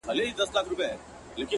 د ابۍ زامن شول سترګو کې ګلونه